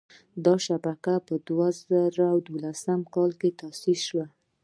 دا شبکه په دوه زره دولسم کال کې تاسیس شوه.